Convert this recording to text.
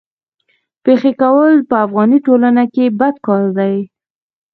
پېښې کول په افغاني ټولنه کي بد کار دی.